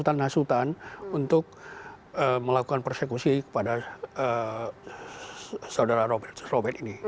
dan menghasutan hasutan untuk melakukan persekusi kepada saudara robertus robert ini